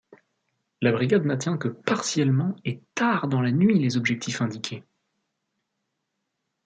La brigade n'atteint que partiellement et tard dans la nuit les objectifs indiqués.